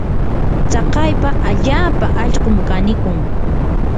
tsakaypa allaapa allqum kanikun.